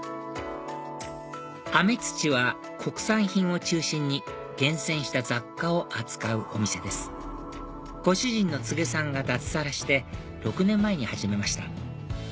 あめつちは国産品を中心に厳選した雑貨を扱うお店ですご主人の柘植さんが脱サラして６年前に始めました